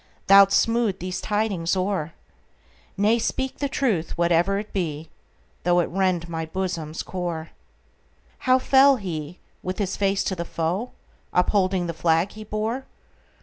Thou 'dst smooth these tidings o'er,—Nay, speak the truth, whatever it be, Though it rend my bosom's core."How fell he,—with his face to the foe, Upholding the flag he bore?